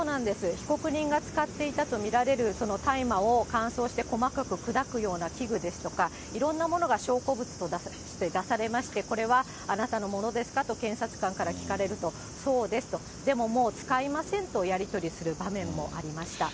被告人が使っていたと見られる大麻を乾燥させて細かく砕くような器具ですとか、いろんなものが証拠物として出されまして、これはあなたのものですかと検察官から聞かれると、そうですと、でももう使いませんとやり取りする場面もありました。